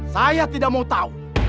saya tidak mau tau